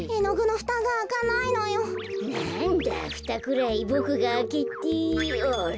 ふたくらいボクがあけてあれ？